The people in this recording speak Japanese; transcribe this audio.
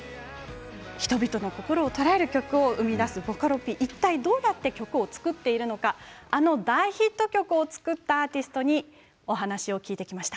人々の心を捉える曲を生み出すボカロＰ、いったいどうやって曲を作っているのかあの大ヒット曲を作ったアーティストにお話を聞いてきました。